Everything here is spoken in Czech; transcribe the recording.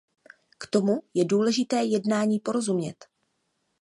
K tomu je důležité jednání porozumět.